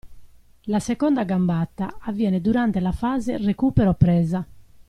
La seconda gambata avviene durante la fase recupero-presa.